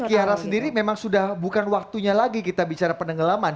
kiara sendiri memang sudah bukan waktunya lagi kita bicara penenggelaman